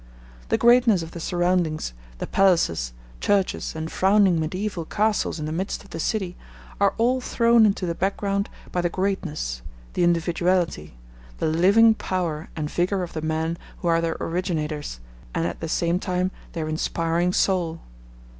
The greatness of the surroundings, the palaces, churches, and frowning mediaeval castles in the midst of the city, are all thrown into the background by the greatness, the individuality, the living power and vigour of the men who are their originators, and at the same time their inspiring soul.